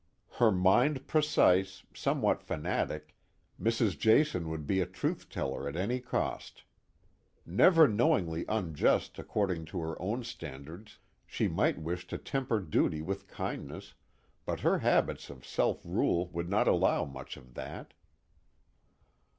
Her mind precise, somewhat fanatic, Mrs. Jason would be a truth teller at any cost. Never knowingly unjust according to her own standards, she might wish to temper duty with kindness, but her habits of self rule would not allow much of that.